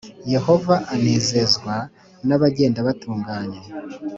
yohova anezezwa n’abagenda batunganye